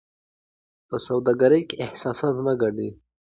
په سوداګرۍ کې احساسات مه ګډوئ.